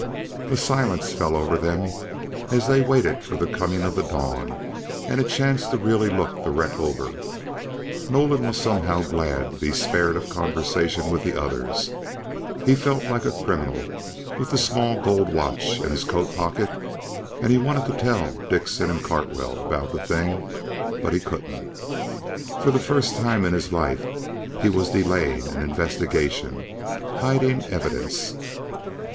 A silence fell over them as they waited for the coming of dawn and a chance to really look the wreck over. Nolan was somehow glad to be spared of conversation with the others. He felt like a criminal, with the small gold watch in his coat pocket and he wanted to tell Dickson and Cartwell about the thing. But he couldn't. For the first time in his life he was delaying an investigation, hiding evidence.